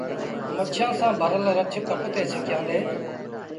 مڇيٚآنٚ سآݩٚ ڀرل رڇ ڪپ تي ڇڪيآندي۔